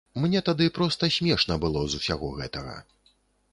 Мне тады проста смешна было з усяго гэтага.